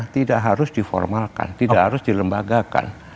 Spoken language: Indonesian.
tidak harus diformalkan tidak harus dilembagakan